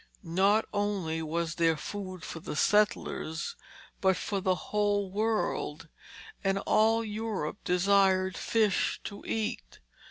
Not only was there food for the settlers, but for the whole world, and all Europe desired fish to eat.